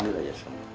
ambil aja semua